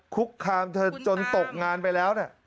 คุกคามเธอจนตกงานไปแล้ว